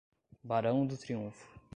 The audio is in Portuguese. Barão do Triunfo